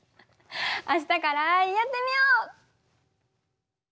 明日からやってみよう！